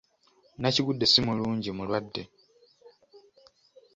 Nakigudde si mulungi mulwadde.